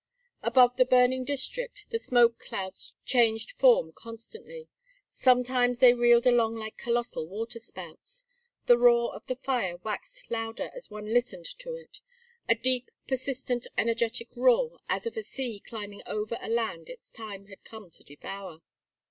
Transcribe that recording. Above the burning district the smoke clouds changed form constantly. Sometimes they reeled along like colossal water spouts. The roar of the fire waxed louder as one listened to it: a deep persistent energetic roar, as of a sea climbing over a land its time had come to devour.